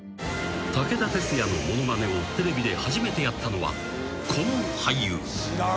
［武田鉄矢のものまねをテレビで初めてやったのはこの俳優］